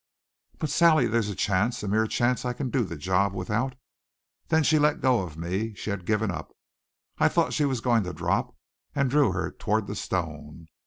"But, Sally, there's a chance a mere chance I can do the job without " Then she let go of me. She had given up. I thought she was going to drop, and drew her toward the stone.